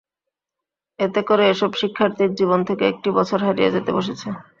এতে করে এসব শিক্ষার্থীর জীবন থেকে একটি বছর হারিয়ে যেতে বসেছে।